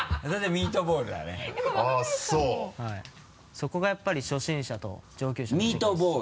そこがやっぱり初心者と上級者の違いです。